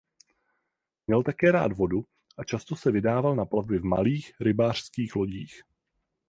Měl také rád vodu a často se vydával na plavby v malých rybářských lodích.